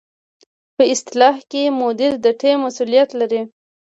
په اصطلاح کې مدیر د ټیم مسؤلیت لري.